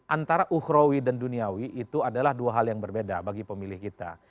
antara uhrawi dan duniawi itu adalah dua hal yang berbeda bagi pemilih kita